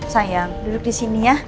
sayang duduk disini ya